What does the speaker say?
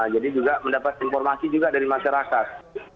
jadi juga mendapat informasi juga dari masyarakat